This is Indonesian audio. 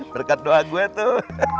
berkat doa gue tuh